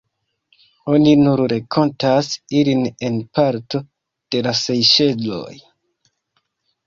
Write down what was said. Oni nur renkontas ilin en parto de la Sejŝeloj.